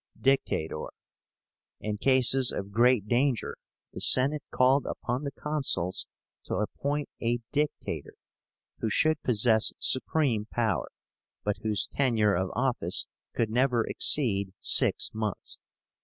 DICTATOR. In cases of great danger the Senate called upon the Consuls to appoint a Dictator, who should possess supreme power, but whose tenure of office could never exceed six months.